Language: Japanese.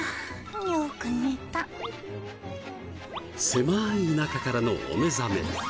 狭い中からのお目覚め。